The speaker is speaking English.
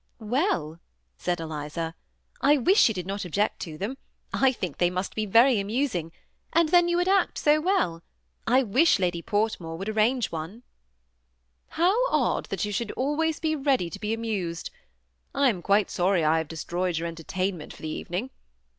'^ Well,'* said Eliza, '^ I wish you did not object to r 146 THB SEaa ATTAGHED COUPLE. them; I think they must be very amusing, and then you would aet so well ; I wish Lady Portmore would arrange one." '' How odd that yon should always be ready to be amused ! I am quite sorry I have destroyed your eo^ tertainment for the evening.